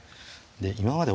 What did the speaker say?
今まで